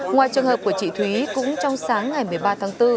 ngoài trường hợp của chị thúy cũng trong sáng ngày một mươi ba tháng bốn